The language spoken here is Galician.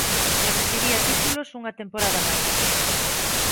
Repetiría títulos unha temporada máis.